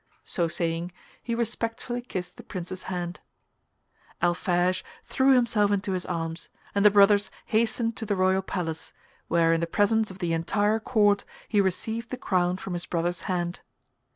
So saying, he respectfully kissed the Prince's hand. Alphege threw himself into his arms, and the brothers hastened to the royal palace, where in the presence of the entire court he received the crown from his brother's hand.